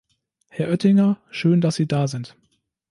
Herr Oettinger, schön dass Sie da sind!